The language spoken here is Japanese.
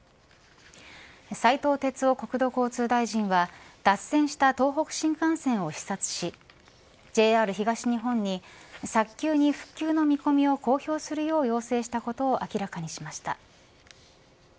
斉藤鉄夫国土交通大臣は脱線した東北新幹線を視察しＪＲ東日本に早急に復旧の見込みを公表するよう要請したことを明らかにしました。